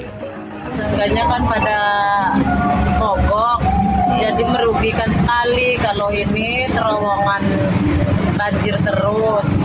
sesungguhnya kan pada mogok jadi merugikan sekali kalau ini terowongan banjir terus